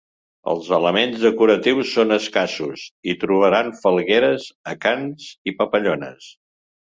Els elements decoratius són escassos, hi trobam falgueres, acants i papallones.